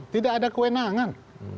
tidak ada kewenangan